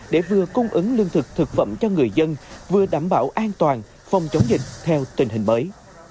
để vừa cung ứng lương thực thực phẩm cho người dân vừa đảm bảo an toàn phòng chống dịch theo tình hình mới